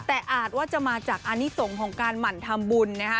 แต่อาจว่าจะมาจากอานิสงฆ์ของการหมั่นทำบุญนะคะ